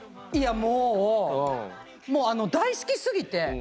いやもうもう大好きすぎて。